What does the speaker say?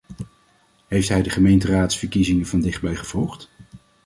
Heeft hij de gemeenteraadsverkiezingen van dichtbij gevolgd?